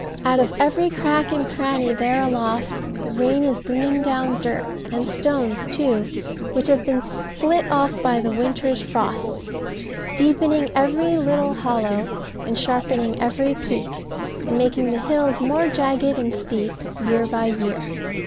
Out of every crack and cranny there aloft, the rain is bringing down dirt, and stones too, which have been split off by the winter's frosts, deepening every little hollow, and sharpening every peak, and making the hills more jagged and steep year by year.